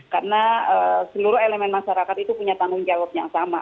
karena seluruh elemen masyarakat itu punya tanggung jawab yang sama